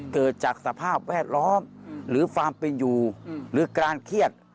เกิดจากสภาพแวดล้อมหรือความเป็นอยู่หรือการเครียด